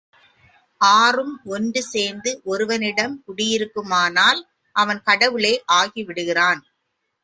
ஆறும் ஒன்று சேர்ந்து ஒருவனிடம் குடியிருக்குமானால் அவன் கடவுளே ஆகிவிடுகிறான்.